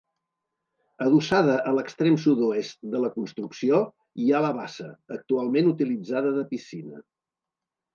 Adossada a l'extrem sud-oest de la construcció hi ha la bassa, actualment utilitzada de piscina.